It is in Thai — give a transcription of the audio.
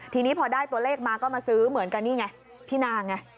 ทีนี้พอได้ตัวเลขมาก็มาซื้อเหมือนกันนี่ไงพี่นางไง